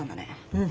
うん。